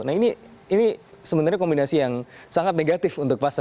nah ini sebenarnya kombinasi yang sangat negatif untuk pasar